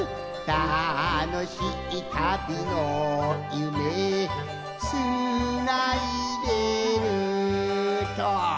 「たのしいたびのゆめつないでる」と。